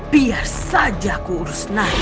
biar saja aku uruskan nari